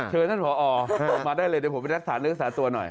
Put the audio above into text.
เชิญท่านผอออกมาได้เลยเดี๋ยวผมไปรักษาเนื้อรักษาตัวหน่อย